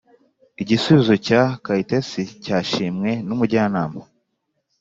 igisubizo cya kayitesi cyashimwe n’umujyanama.